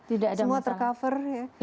semua tercover ya